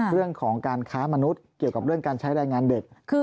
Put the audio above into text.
เรื่องของการค้ามนุษย์เกี่ยวกับเรื่องการใช้รายงานเด็ก